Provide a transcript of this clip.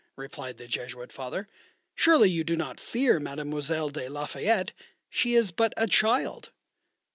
replied the Jesuit Father. "Surely you do not fear Mademoiselle de la Fayette? she is but a child."